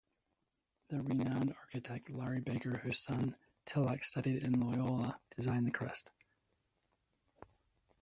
The renowned architect Laurie Baker, whose son Tilak studied in Loyola, designed the crest.